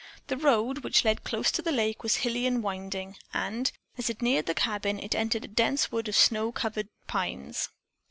The road, which led close to the lake, was hilly and winding, and, as it neared the cabin, it entered a dense wood of snow covered pines.